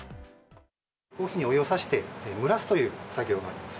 コーヒーにお湯をさして、蒸らすという作業があります。